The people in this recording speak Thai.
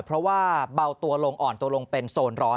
เพราะว่าเบาตัวลงอ่อนตัวลงเป็นโซนร้อน